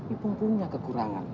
ipung punya kekurangan